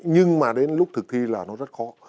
nhưng mà đến lúc thực thi là nó rất khó